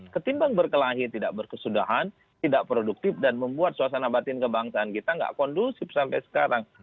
ketimbang berkelahi tidak berkesudahan tidak produktif dan membuat suasana batin kebangsaan kita nggak kondusif sampai sekarang